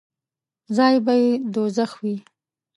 ځای به یې دوږخ وي.